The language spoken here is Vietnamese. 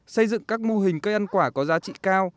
xây dựng các mô hình cây ăn quả có giá trị cao